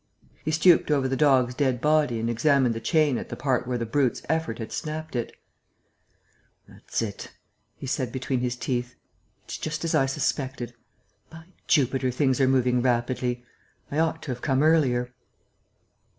He stooped over the dog's dead body and examined the chain at the part where the brute's effort had snapped it: "That's it," he said, between his teeth. "It's just as I suspected. By Jupiter, things are moving rapidly!... I ought to have come earlier."